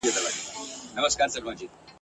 چي یې شور په شاوخوا کي وو جوړ کړی !.